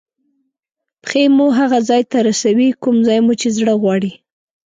پښې مو هغه ځای ته رسوي کوم ځای مو چې زړه غواړي.